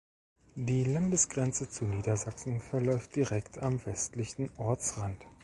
Die Landesgrenze zu Niedersachsen verläuft direkt am westlichen Ortsrand.